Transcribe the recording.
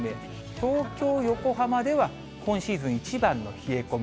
東京、横浜では今シーズン一番の冷え込み。